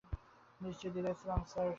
নিশ্চয় দ্বিধায় ছিলাম, স্যার।